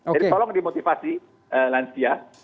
jadi tolong dimotivasi lansia